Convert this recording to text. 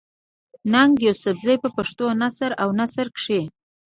ننګ يوسفزۍ په پښتو نثر او نظم کښې